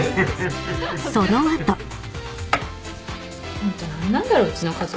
ホント何なんだろうちの家族。